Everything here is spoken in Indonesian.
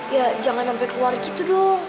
ya jangan sampai keluar gitu dong